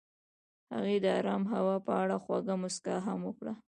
هغې د آرام هوا په اړه خوږه موسکا هم وکړه.